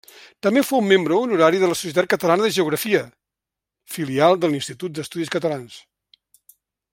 També fou membre honorari de la Societat Catalana de Geografia, filial de l'Institut d'Estudis Catalans.